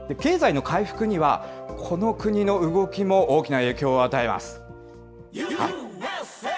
経済の回復には、この国の動きも大きな影響を与えます。